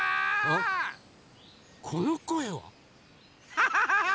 ハハハハ！